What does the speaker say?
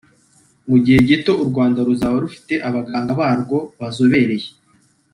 mu gihe gito u Rwanda ruzaba rufite abaganga barwo bazobereye